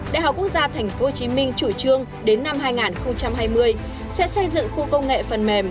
đại học quốc gia tp hcm chủ trương đến năm hai nghìn hai mươi sẽ xây dựng khu công nghệ phần mềm